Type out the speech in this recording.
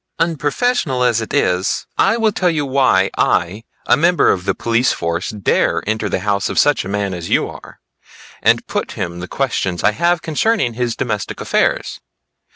Unprofessional as it is, I will tell you why I, a member of the police force, dare enter the house of such a man as you are, and put him the questions I have concerning his domestic affairs.